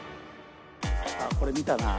あっこれ見たな。